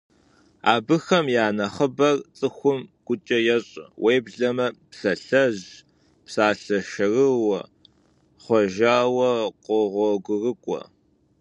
Абыхэм я нэхъыбэр цӀыхум гукӀэ ящӀэ, уеблэмэ псалъэжь, псалъэ шэрыуэ хъужауэ къогъуэгурыкӀуэ.